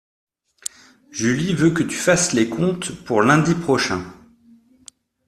Julie veut que tu fasses les comptes pour lundi prochain.